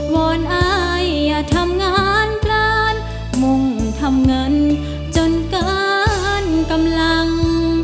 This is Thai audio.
ว่านายอย่าทำงานเปลือนมุ่งทำเงินจนกันกำลัง